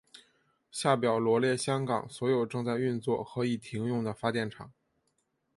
下表罗列香港所有正在运作和已停用的发电厂。